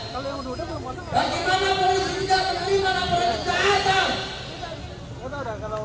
bagaimana polri tidak terima dengan perannya tentang kekurangan polri itu